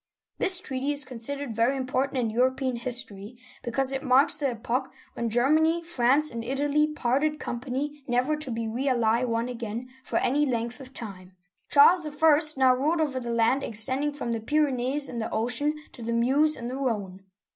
This treaty is considered very important in European history, because it marks the epoch when Germany, France, and Italy parted company, never to be really one again for any length of time. Charles I. now ruled over the land extending from the Pyrenees and the Ocean, to the Meuse and the Rhone.